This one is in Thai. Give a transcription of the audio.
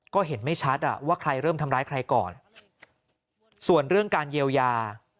ก็เห็นไม่ชัดอ่ะว่าใครเริ่มทำร้ายใครก่อนส่วนเรื่องการเยียวยา